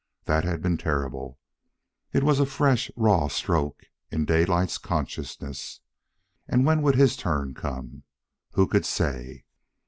That had been terrible. It was a fresh, raw stroke in Daylight's consciousness. And when would his own turn come? Who could say?